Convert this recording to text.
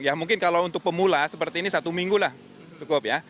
ya mungkin kalau untuk pemula seperti ini satu minggu lah cukup ya